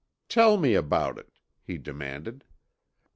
"'Tell me about it,' he demanded.